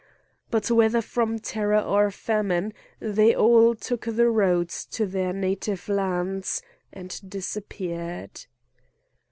But, whether from terror or famine, they all took the roads to their native lands, and disappeared.